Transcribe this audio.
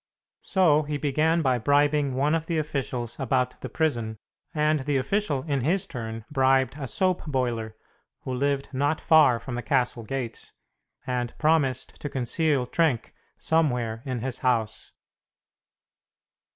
So he began by bribing one of the officials about the prison, and the official in his turn bribed a soapboiler, who lived not far from the castle gates, and promised to conceal Trenck somewhere in his house.